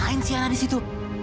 ngapain si ana di situ